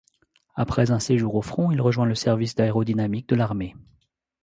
Après un séjour au front il rejoint le service d'aérodynamique de l'armée.